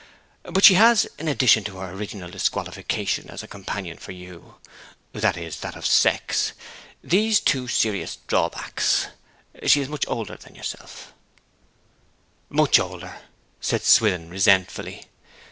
But she has, in addition to her original disqualification as a companion for you (that is, that of sex), these two serious drawbacks: she is much older than yourself ' 'Much older!' said Swithin resentfully.